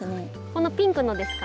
このピンクのですか？